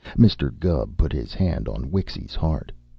Mr. Gubb put his hand on Wixy's heart.